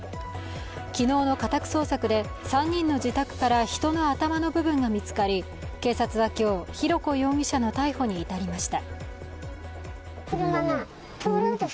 昨日の家宅捜索で３人の自宅から人の頭の部分が見つかり、警察は今日、浩子容疑者の逮捕に至りました。